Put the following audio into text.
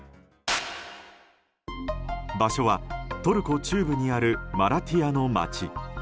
場所はトルコ中部にあるマラティヤの町。